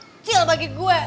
kecil bagi gue